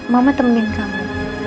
mama temenin kamu